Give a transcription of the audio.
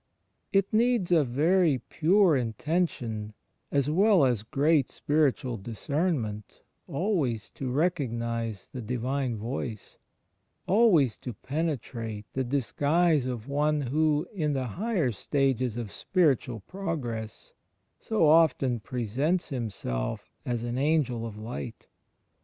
It needs a very pure intention as well as great spiritual discernment always to recognize the Divine Voice; always to penetrate the disguise of one who, in the higher stages of spiritual progress, so often presents himself as an ''Angel of Light."